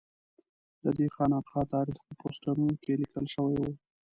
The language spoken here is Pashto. ددې خانقا تاریخ په پوسټرونو کې لیکل شوی و.